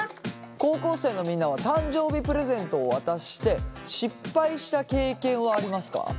高校生のみんなは誕生日プレゼントを渡して失敗した経験はありますか？